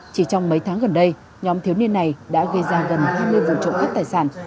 chỉ trong mấy tháng gần đây nhóm thiếu niên này đã gây ra gần hai mươi vụ trộm cắp tài sản